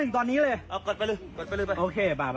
ถ่ายแล้ว